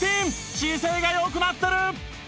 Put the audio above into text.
姿勢が良くなってる！